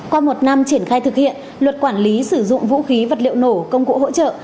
qua một năm triển khai thực hiện luật quản lý sử dụng vũ khí vật liệu nổ công cụ hỗ trợ